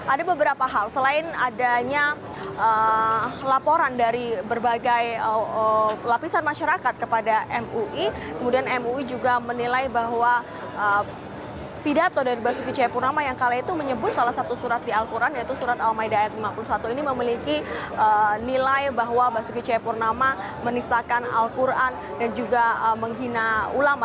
ada beberapa hal selain adanya laporan dari berbagai lapisan masyarakat kepada mui kemudian mui juga menilai bahwa pidato dari basuki c purnama yang kali itu menyebut salah satu surat di al quran yaitu surat al maida ayat lima puluh satu ini memiliki nilai bahwa basuki c purnama menistakan al quran dan juga menghina ulama